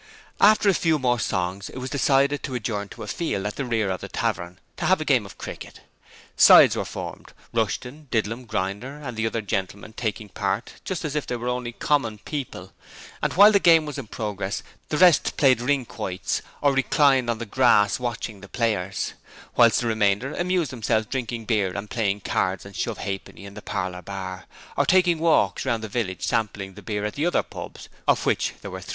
After a few more songs it was decided to adjourn to a field at the rear of the tavern to have a game of cricket. Sides were formed, Rushton, Didlum, Grinder, and the other gentlemen taking part just as if they were only common people, and while the game was in progress the rest played ring quoits or reclined on the grass watching the players, whilst the remainder amused themselves drinking beer and playing cards and shove ha'penny in the bar parlour, or taking walks around the village sampling the beer at the other pubs, of which there were three.